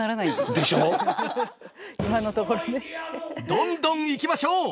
どんどんいきましょう！